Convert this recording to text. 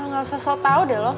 gak usah soal tau deh lo